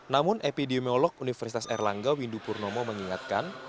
namun epidemiolog universitas erlangga windupurnomo mengingatkan